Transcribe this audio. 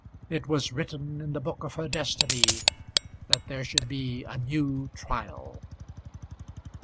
It was written in the book of her destiny that there should be a new trial.